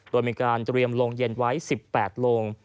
โดยมีการเตรียมโรงเย็นไว้๑๘โลง